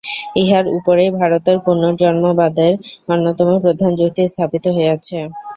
ইহার উপরেই ভারতের পুনর্জন্মবাদের অন্যতম প্রধান যুক্তি স্থাপিত হইয়াছে।